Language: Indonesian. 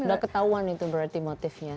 udah ketauan itu berarti motifnya